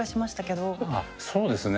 あそうですね。